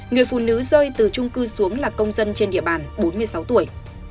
người phụ nữ rơi từ trung cư xuống là công dân trên địa bàn bốn mươi sáu tuổi